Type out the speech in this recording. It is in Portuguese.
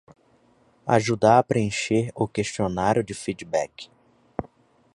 Ajudar a preencher o questionário de feedback